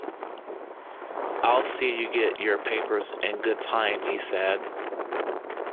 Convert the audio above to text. “I'll see you get your papers in good time,” he said.